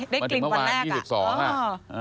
ได้กลิ่นวันแรกมาถึงเมื่อวานที่๒๒อ่ะ